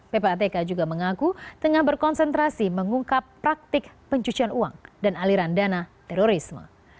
ppatk juga mengaku tengah berkonsentrasi mengungkap praktik pencucian uang dan aliran dana terorisme